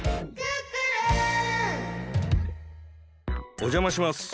おじゃまします。